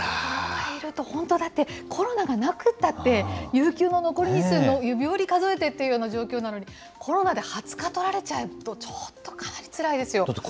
本当だって、コロナがなくったって、有給の残り日数を指折り数えてという状況なのに、コロナで２０日取られちゃうと、ちょっとかなりつらいですよ。